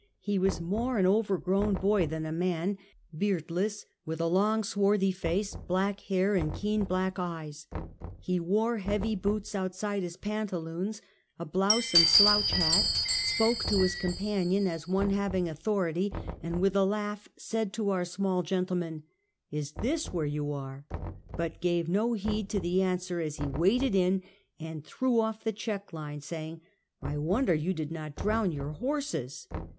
He was more an overgrown boy than a man, beardless, with a long swarthy face, black hair and keen black eyes. He wore heavy boots outside his pantaloons, a blouse and slouch hat, spoke to his companion as one having authority, and with a laugh said to our small gentle man: " Is this where you are 1 " but gave no heed to the answer as he waded in and threw off the check lines, saying: "I wonder you did not drown your horses."